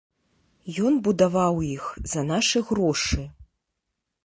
Ён будаваў іх за нашы грошы.